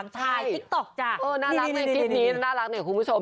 นี่นี่นี่น่ารักเนี่ยคุณผู้ชม